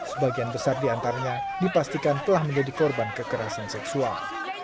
sebagian besar di antaranya dipastikan telah menjadi korban kekerasan seksual